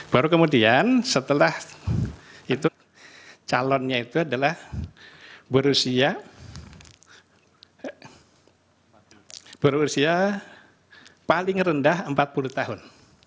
baru kemudian setelah itu calonnya itu adalah berusia paling rendah empat puluh tahun